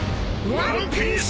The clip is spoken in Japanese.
ワンピース。